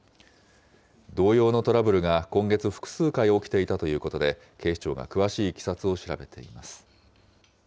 同様のトラブルが今月、複数回起きていたということで、警視庁が詳しいいきさつを調べています。